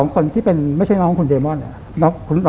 ๒คนที่เป็นไม่ใช่น้องคุณเดมอน